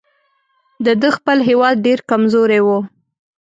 د ده خپل هیواد ډېر کمزوری وو.